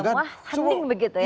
semua handing begitu ya